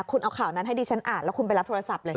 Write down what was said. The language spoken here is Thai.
คุณเอาข่าวนั้นให้ดิฉันอ่านแล้วคุณไปรับโทรศัพท์เลยค่ะ